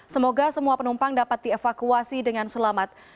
semoga semua penumpang dapat dievakuasi dengan selamat